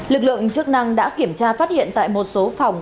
lực lượng chức năng đã kiểm tra phát hiện tại một số phòng